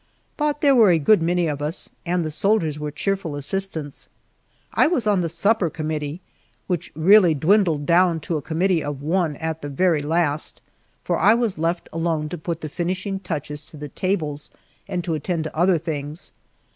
But there were a good many of us, and the soldiers were cheerful assistants. I was on the supper committee, which really dwindled down to a committee of one at the very last, for I was left alone to put the finishing touches to the tables and to attend to other things.